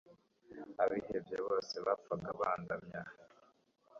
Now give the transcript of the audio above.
abihebye bose bapfaga bandamya